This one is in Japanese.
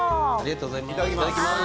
いただきます。